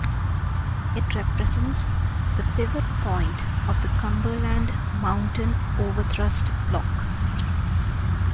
It represents the "pivot point" of the Cumberland Mountain Overthrust Block.